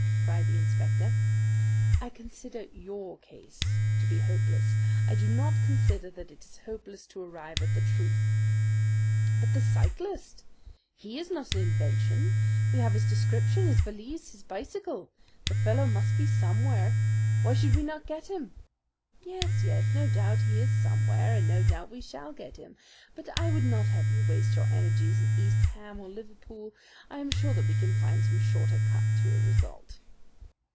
cried the inspector. "I consider your case to be hopeless. I do not consider that it is hopeless to arrive at the truth." "But this cyclist. He is not an invention. We have his description, his valise, his bicycle. The fellow must be somewhere. Why should we not get him?" "Yes, yes, no doubt he is somewhere, and no doubt we shall get him; but I would not have you waste your energies in East Ham or Liverpool. I am sure that we can find some shorter cut to a result."